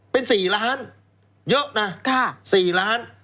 เป็น๔ล้านเยอะนะ๔ล้าน